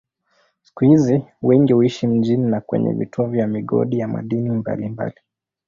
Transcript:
Siku hizi wengi huishi mjini na kwenye vituo vya migodi ya madini mbalimbali.